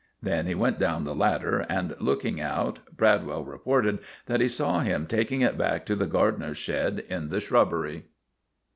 Then he went down the ladder, and looking out, Bradwell reported that he saw him taking it back to the gardener's shed in the shrubbery.